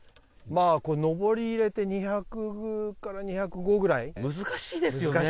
上り入れて２００から２０５ぐらい、難しいですよね。